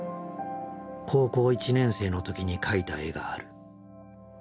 高校１年生の時に描いた絵がある。